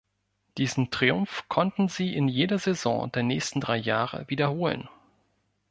Diesen Triumph konnten sie in jeder Saison der nächsten drei Jahre wiederholen.